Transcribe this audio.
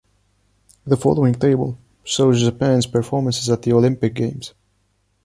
The following table shows Japan’s performances at the Olympic Games.